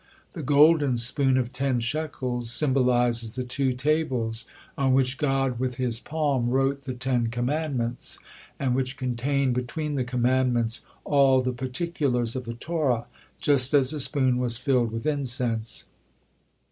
The golden spoon of ten shekels symbolizes the two tables on which God with His palm wrote the Ten Commandments, and which contained between the commandments all the particulars of the Torah, just as the spoon was filled with incense.